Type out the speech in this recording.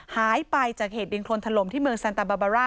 หายไปจากเหตุดินโครนถล่มที่เมืองซันตาบาบาร่า